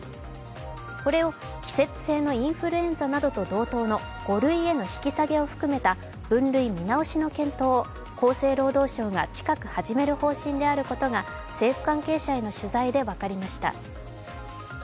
これを季節性のインフルエンザなどと同等の５類への引き下げを含めた分類見直しの検討を厚生労働省が近く始める方針であることが政府関係者への取材で分かりました。